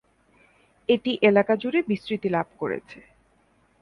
এটি এলাকা জুড়ে বিস্তৃতি লাভ করেছে।